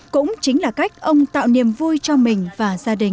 cũng chính là cách ông tạo niềm vui cho mình và gia đình